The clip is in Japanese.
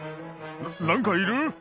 何かいる！？」